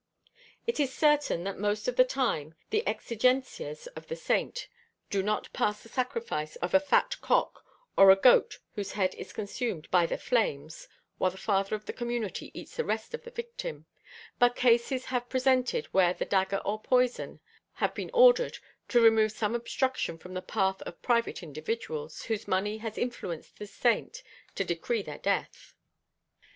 It is certain that most of the time the exigencias of the saint do not pass the sacrifice of a fat cock, or a goat whose head is consumed by the flames (while the father of the community eats the rest of the victim), but cases have presented where the dagger or poison, have been ordered to remove some obstruction from the path of private individuals, whose money has influenced the saint to decree their death.